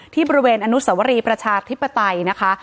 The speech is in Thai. ที่บริเวณอนุสวรีประชาธิปไตยนะคะ